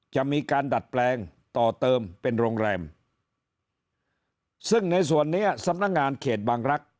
จะมีการดัดแปลงต่อเติมเป็นโรงแรมซึ่งในส่วนนี้สำนักงานเขตบางรักษ